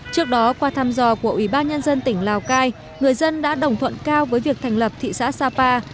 trước đó qua thăm dò của ủy ban nhân dân tỉnh lào cai người dân đã đồng thuận cao với việc thành lập thị xã sapa